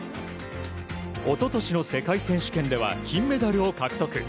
一昨年の世界選手権では金メダルを獲得。